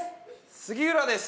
杉浦です